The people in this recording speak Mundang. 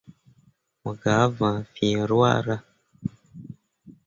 Mo gah vãã fǝ̃ǝ̃ ruahra.